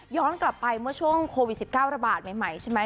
กลับไปเมื่อช่วงโควิด๑๙ระบาดใหม่ใช่ไหม